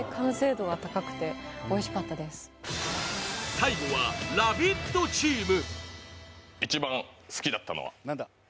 最後は「ラヴィット！」チーム。